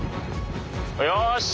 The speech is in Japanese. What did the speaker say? よし！